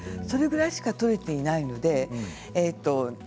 それぐらいしかとれていないので。